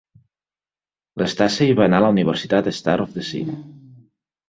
L'Stasey va anar a la Universitat Star of the Sea.